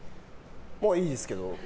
まあ、いいですけど。